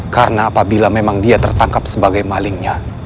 karena apabila memang dia tertangkap sebagai malingnya